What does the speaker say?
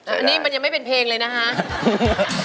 อันนี้มันยังไม่เป็นเพลงเลยนะคะ